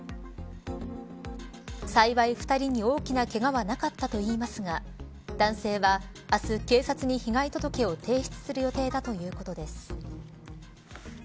幸い、２人に大きなけがはなかったといいますが男性は明日警察に被害届を提出する予定だということです。